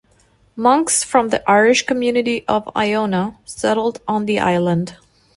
Monks from the Irish community of Iona settled on the island.